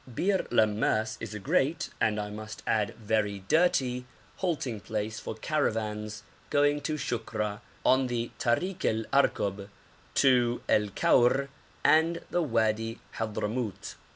Bir Lammas is a great, and I must add, very dirty, halting place for caravans going to Shukra, on the Tarik el Arkob, to El Kaur and the Wadi Hadhramout.